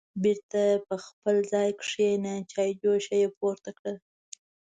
بېرته په خپل ځای کېناسته، چایجوش یې پورته کړه